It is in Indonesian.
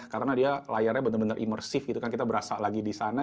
karena dia layarnya benar benar imersif gitu kan kita berasa lagi di sana